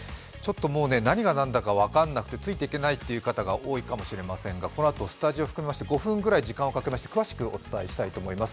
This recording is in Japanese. もうね、何が何だか分かんなくてついていけないという方も多いかもしれませんが、このあとスタジオ含めまして５分ぐらい使いまして詳しくお伝えしたいと思います。